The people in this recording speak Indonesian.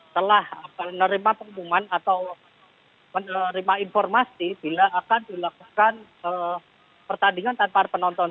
telah menerima pengumuman atau menerima informasi bila akan dilakukan pertandingan tanpa penonton